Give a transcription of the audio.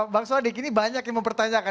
bang soekarno dikini banyak yang mempertanyakan